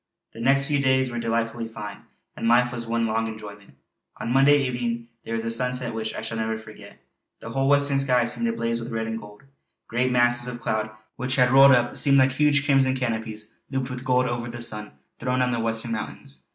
_" The next few days were delightfully fine, and life was one long enjoyment. On Monday evening there was a sunset which I shall never forget. The whole western sky seemed ablaze with red and gold; great masses of cloud which had rolled up seemed like huge crimson canopies looped with gold over the sun throned on the western mountains.